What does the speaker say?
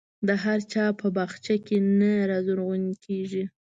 د هر چا په باغچه کې نه رازرغون کېږي.